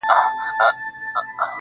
د کيف د ساز آواز په اهتزاز راځي جانانه,